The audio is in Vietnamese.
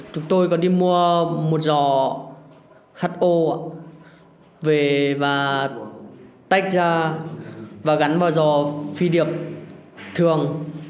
chúng tôi có đi mua một giò ho và tách ra và gắn vào giò phi điệp thường